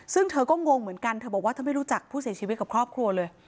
ซึ่งเธอก็งงเหมือนกันเธอบอกว่าเธอไม่รู้จักผู้เสียชีวิตกับครอบครัวเลย